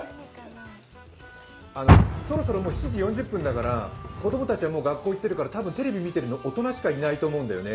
そろそろ７時４０分だから子供たちは学校に行ってるから多分、テレビ見てるの、大人しかいないと思うんだよね。